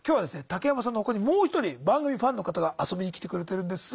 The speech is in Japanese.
竹山さんの他にもう一人番組ファンの方が遊びに来てくれてるんです。